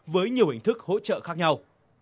với nhiều hình thức hỗ trợ khác nhau